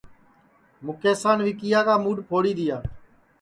مُکیسان وکیا کا مُوڈؔ پھوڑی دؔیا